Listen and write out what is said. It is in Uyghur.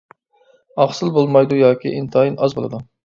ئاقسىل بولمايدۇ ياكى ئىنتايىن ئاز بولىدۇ.